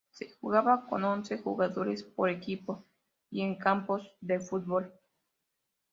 Se jugaba con once jugadores por equipo y en campos de fútbol.